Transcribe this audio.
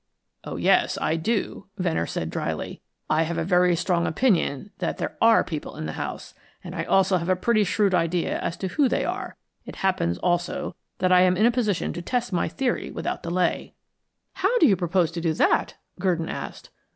"Oh, yes, I do," Venner said drily. "I have a very strong opinion that there are people in the house, and I also have a pretty shrewd idea as to who they are. It happens, also, that I am in a position to test my theory without delay." "How do you propose to do that?" Gurdon asked.